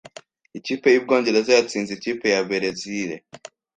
Ikipe y'Ubwongereza yatsinze ikipe ya Berezile